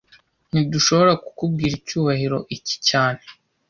Ntidushobora kukubwira icyubahiro iki cyane